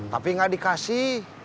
tapi gak dikasih